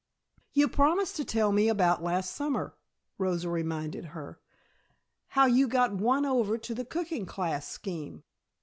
"You promised to tell me about last summer," Rosa reminded her. "How you got won over to the cooking class scheme."